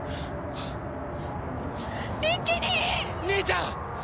兄ちゃん！